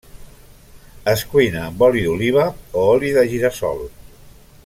Es cuina amb oli d'oliva o oli de gira-sol.